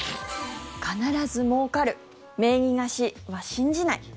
必ずもうかる、名義貸しは信じない。